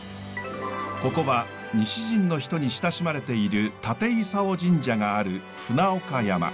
ここは西陣の人に親しまれている建勲神社がある船岡山。